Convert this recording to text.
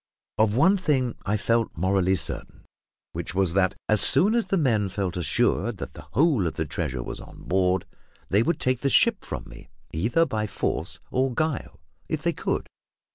Of one thing I felt morally certain, which was that, as soon as the men felt assured that the whole of the treasure was on board, they would take the ship from me, either by force or guile, if they could.